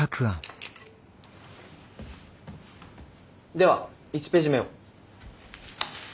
では１ページ目を。